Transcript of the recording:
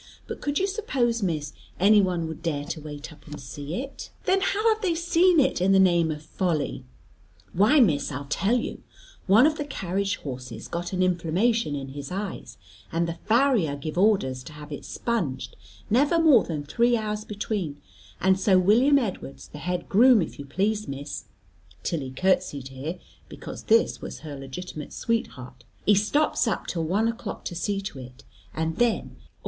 But could you suppose, Miss, any one would dare to wait up and see it?" "Then how have they seen it, in the name of folly?" "Why, Miss, I'll tell you. One of the carriage horses got an inflammation in his eyes, and the farrier give orders to have it sponged never more than three hours between, and so William Edwards, the head groom if you please, Miss" Tilly curtseyed here, because this was her legitimate sweetheart "he stops up till one o'clock to see to it, and then Job Leyson goes instead.